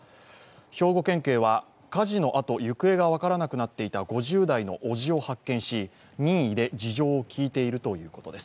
兵庫県警は火事のあと、行方がわからなくなっていた５０代のおじを発見し、任意で事情を聴いているということです。